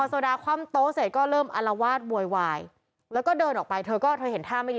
โซดาคว่ำโต๊ะเสร็จก็เริ่มอารวาสโวยวายแล้วก็เดินออกไปเธอก็เธอเห็นท่าไม่ดี